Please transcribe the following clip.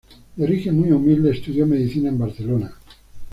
De origen muy humilde, estudió Medicina en Barcelona.